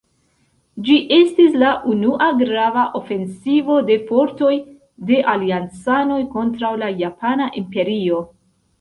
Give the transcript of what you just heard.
Ĝi estis la unua grava ofensivo de fortoj de Aliancanoj kontraŭ la Japana Imperio.